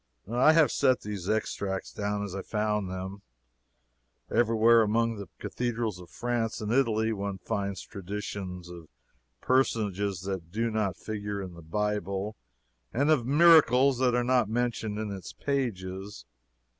I have set these extracts down, as I found them. Everywhere among the cathedrals of France and Italy, one finds traditions of personages that do not figure in the Bible, and of miracles that are not mentioned in its pages.